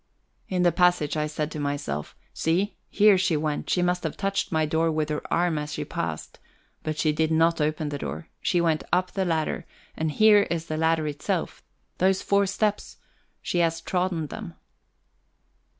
In the passage I said to myself: "See, here she went: she must have touched my door with her arm as she passed, but she did not open the door: she went up the ladder, and here is the ladder itself those four steps, she has trodden them."